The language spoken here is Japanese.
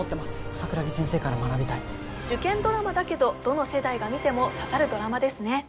桜木先生から学びたい受験ドラマだけどどの世代が見ても刺さるドラマですね